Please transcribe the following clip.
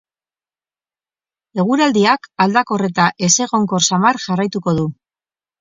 Eguraldiak aldakor eta ezegonkor samar jarraituko du.